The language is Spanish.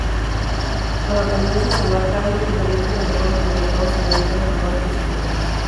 Los atenienses se embarcaron rápidamente pero fueron derrotados en la batalla naval que siguió.